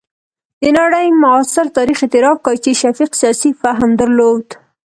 د نړۍ معاصر تاریخ اعتراف کوي چې شفیق سیاسي فهم درلود.